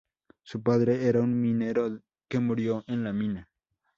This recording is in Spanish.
Su padre era un minero que murió en la mina.